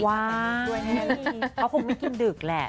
เขาคงไม่กินดึกแหละ